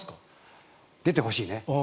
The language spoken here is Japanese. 出てほしいね。